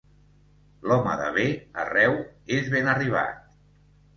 L'home de bé arreu és ben arribat.